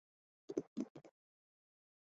阿方索一世为阿拉贡国王桑乔一世之子。